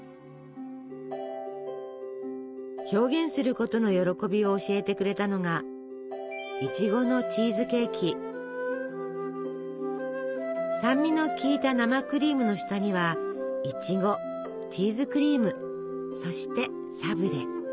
表現することの喜びを教えてくれたのが酸味の効いた生クリームの下にはいちごチーズクリームそしてサブレ。